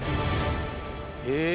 へえ。